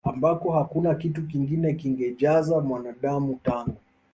ambako hakuna kitu kingine kingejaza Mwanadamu tangu